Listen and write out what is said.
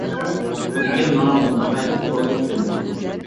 لېكىن، ماڭا بۇ ناھايىتى خورلۇق بىلىندى.